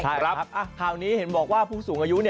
ข่าวนี้เห็นบอกว่าผู้สูงอายุ